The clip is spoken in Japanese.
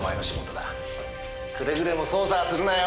くれぐれも捜査はするなよ。